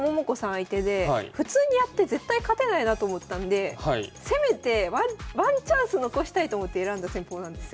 相手で普通にやって絶対勝てないなと思ったんでせめてワンチャンス残したいと思って選んだ戦法なんですよ。